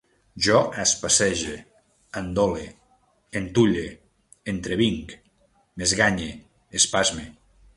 Jo especege, endole, entulle, entrevinc, m'esganye, espasme